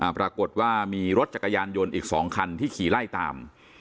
ปรากฏว่ามีรถจักรยานยนต์อีก๒คันที่ขี่ไล่ตาม